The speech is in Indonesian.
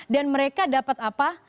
dan mereka dapat apa